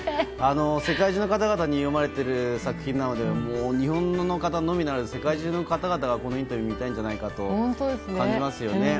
世界中の方々に読まれている作品なので日本の方のみならず世界中の方々がこのインタビューを見たいんじゃないかと感じますよね。